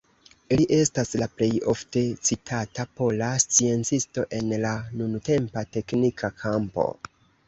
Li estas la plej ofte citata pola sciencisto en la nuntempa teknika kampo.